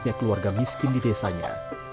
pihak keluarga miskin di desanya